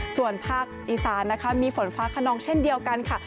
ส่วนภาคอีสานนะคะมีฝนฟ้าขนองเช่นเดียวกันค่ะ